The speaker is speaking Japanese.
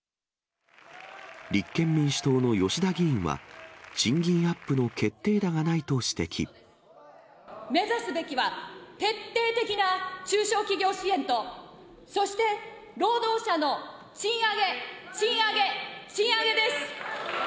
立憲民主党の吉田議員は、目指すべきは、徹底的な中小企業支援と、そして労働者の賃上げ、賃上げ、賃上げです。